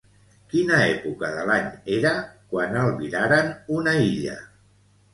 Quina època de l'any era, quan albiraren una illa?